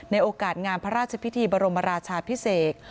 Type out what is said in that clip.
โอกาสงามพระราชพิธีบรมราชาพิเศษ